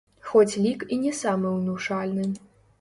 Хоць лік і не самы ўнушальны.